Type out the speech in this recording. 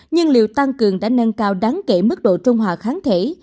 nhưng liều tăng cường đã nâng cao đáng kể mức độ trung hòa kháng thể